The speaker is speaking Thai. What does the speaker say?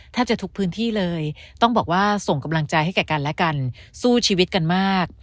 แทบจะทุกพื้นที่เลยต้องบอกว่าส่งกำลังใจให้แก่กันและกันสู้ชีวิตกันมาก